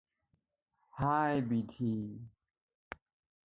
হায় বিধি।